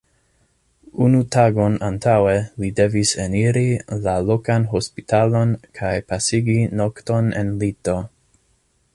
Unu tagon antaŭe li devis eniri la lokan hospitalon kaj pasigi nokton en lito.